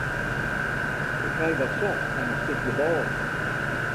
Ik krij wat sop en in stikje bôle.